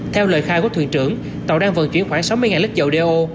theo lời khai của thuyền trưởng tàu đang vận chuyển khoảng sáu mươi lít dầu đeo